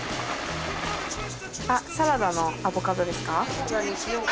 あっサラダのアボカドですか？